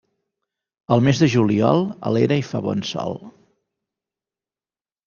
Al mes de juliol, a l'era hi fa bon sol.